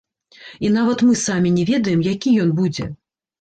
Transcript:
І нават мы самі не ведаем, які ён будзе.